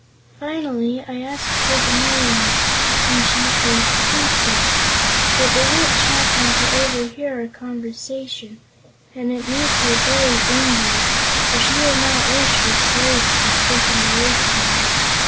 Finally I asked her to marry me, and she agreed to do so, but the Witch happened to overhear our conversation and it made her very angry, for she did not wish her slave to be taken away from her.